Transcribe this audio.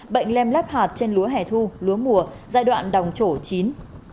bệnh lem láp hạt trên lúa hẻ thu lúa mùa giai đoạn đồng trổ chín